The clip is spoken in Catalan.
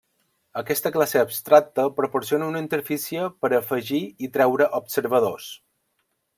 Aquesta classe abstracta proporciona una interfície per a afegir i treure observadors.